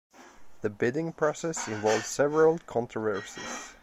The bidding process involved several controversies.